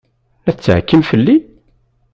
La tettɛekkim fell-i?